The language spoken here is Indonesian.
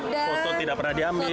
foto tidak pernah diambil